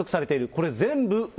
これ全部う